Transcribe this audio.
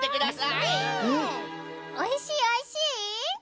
おいしいおいしい？